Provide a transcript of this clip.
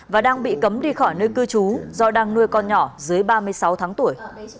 và đang bị cấm đi khỏi nơi cư trú do đang nuôi con nhỏ dưới ba mươi sáu tháng tuổi